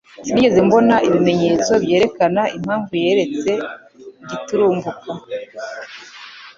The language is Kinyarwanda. Sinigeze mbona ibimenyetso byerekana impamvu yaretse giturumbuka